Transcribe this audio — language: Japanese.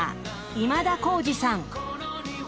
今田耕司さん。